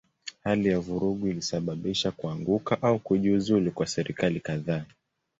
Hali ya vurugu ilisababisha kuanguka au kujiuzulu kwa serikali kadhaa.